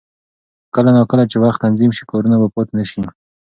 کله نا کله چې وخت تنظیم شي، کارونه به پاتې نه شي.